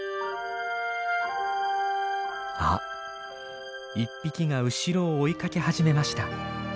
あっ１匹が後ろを追いかけ始めました。